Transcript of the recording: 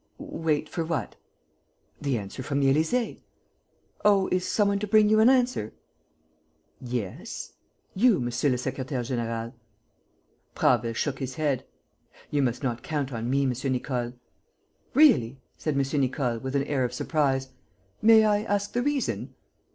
"Wait for what?" "The answer from the Élysée." "Oh, is some one to bring you an answer?" "Yes." "You, monsieur le secrétaire; général." Prasville shook his head: "You must not count on me, M. Nicole." "Really?" said M. Nicole, with an air of surprise. "May I ask the reason?"